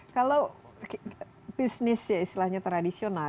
kalau bisnis istilahnya tradisional